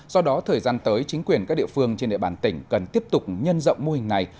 do đó thời gian tới chính quyền các địa phương trên địa bàn tỉnh cần tiếp tục nhân rộng mô hình này